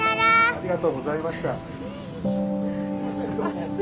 ありがとうございます。